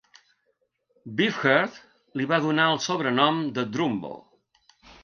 Beefheart li va donar el sobrenom de "Drumbo".